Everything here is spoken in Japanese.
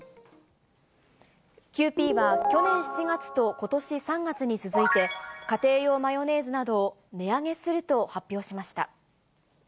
キユーピーは去年７月とことし３月に続いて、家庭用マヨネーズなどを値上げすると発表しました。